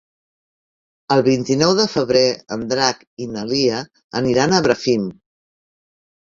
El vint-i-nou de febrer en Drac i na Lia aniran a Bràfim.